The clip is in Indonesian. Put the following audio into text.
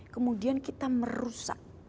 kemudian kita merusak